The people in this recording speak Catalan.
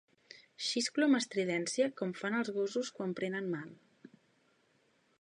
Xisclo amb estridència com fan els gossos quan prenen mal.